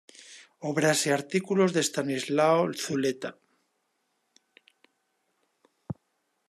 Obras y artículos de Estanislao Zuleta.